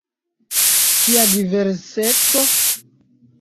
Kia diverseco?